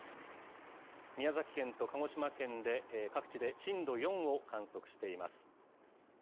宮崎県と鹿児島県で各地で震度４を観測しています。